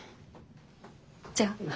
じゃあ。